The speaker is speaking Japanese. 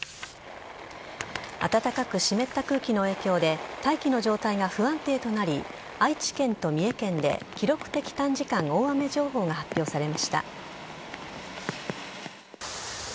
暖かく湿った空気の影響で大気の状態が不安定となり愛知県と三重県で記録的短時間大雨情報が発表されました。